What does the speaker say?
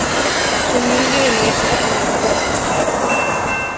Su límite al oeste es la Av.